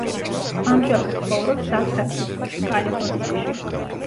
ამჟამად ცხოვრობს სან-ფრანცისკოში, კალიფორნიაში.